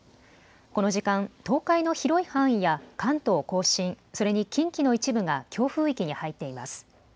この時間、東海の広い範囲や関東甲信、それに近畿の一部が強風域に入っています。